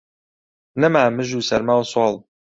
نەما مژ و سەرما و سۆڵ